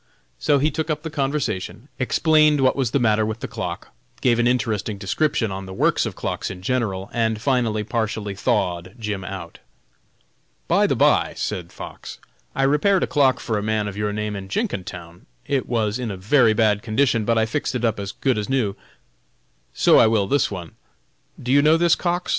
So he took up the conversation, explained what was the matter with the clock, gave an interesting description on the works of clocks in general, and finally partially thawed Jim out. "By the by," said Fox, "I repaired a clock for a man of your name in Jenkintown; it was in a very bad condition, but I fixed it up as good as new; so I will this one. Do you know this Cox?